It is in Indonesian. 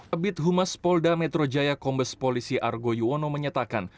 abit humas polda metro jaya kombes polisi argo yuwono menyatakan